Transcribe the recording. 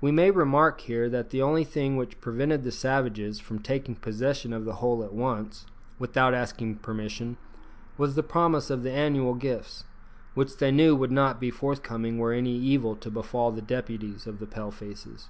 We may remark here that the only thing which prevented the savages from taking possession of the whole at once, without asking permission, was the promise of the annual gifts, which they knew would not be forthcoming were any evil to befall the deputies of the Pale faces.